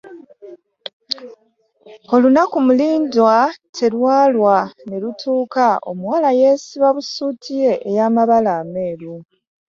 Olunaku mulindwa terwalwa ne lutuuka omuwala yeesiba busuuti ye ey'amabala ameeru.